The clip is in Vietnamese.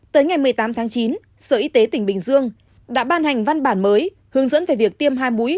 tới ngày một mươi tám tháng chín sở y tế tỉnh bình dương đã ban hành văn bản mới hướng dẫn về việc tiêm hai mũi